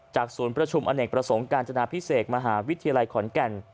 ศูนย์ประชุมอเนกประสงค์การจนาพิเศษมหาวิทยาลัยขอนแก่น